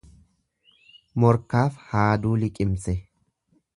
Morkaaf haaduu liqimse.